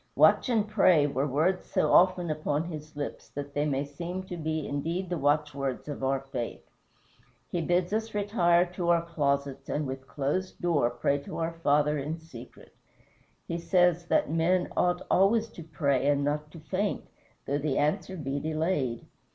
"Watch and pray" were words so often upon his lips that they may seem to be indeed the watchwords of our faith. He bids us retire to our closets and with closed door pray to our Father in secret. He says that men "ought always to pray and not to faint," though the answer be delayed.